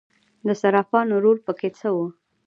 د صرافانو رول پکې څه و؟